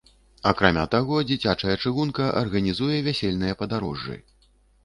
Акрамя таго, дзіцячая чыгунка арганізуе вясельныя падарожжы.